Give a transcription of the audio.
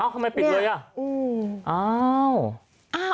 อ้าวทำไมปิดเลยอ่ะ